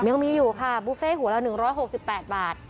ยังมีอยู่ค่ะบุฟเฟ่หัวละ๑๖๘บาท